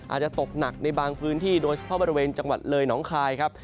อาจจะตกหนักในบางพื้นที่โดยเฉพาะบริเวณจังหวัดเลยน้องคายครับ